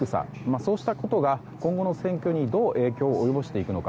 そうしたことが今後の戦況にどう影響を及ぼしていくのか。